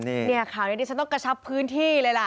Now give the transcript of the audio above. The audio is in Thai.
เนี่ยข่าวนี้ดิฉันต้องกระชับพื้นที่เลยล่ะ